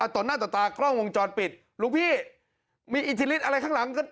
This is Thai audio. ต่อหน้าต่อตากล้องวงจรปิดหลวงพี่มีอิทธิฤทธิอะไรข้างหลัง